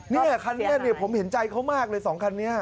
นี่คันนี้ผมเห็นใจเขามากเลย๒คันนี้